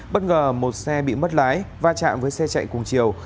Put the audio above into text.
bất ngờ một xe bị mất lái va chạm với xe chạy cùng chiều